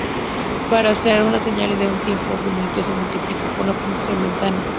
Para observar una señal en un tiempo finito, se multiplica por una función ventana.